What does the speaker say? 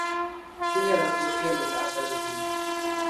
Ti nyɛla suhupiεlli lahibali zuŋɔ.